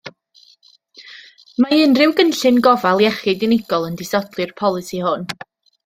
Mae unrhyw gynllun gofal iechyd unigol yn disodli'r polisi hwn.